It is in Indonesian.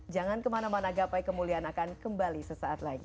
jangan kemana mana gapai kemuliaan akan kembali sesaat lagi